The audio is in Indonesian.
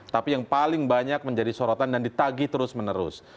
tapi yang paling banyak menjadi sorotan dan ditagi terus menerus